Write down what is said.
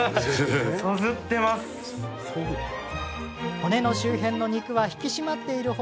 骨の周辺の肉は引き締まっている他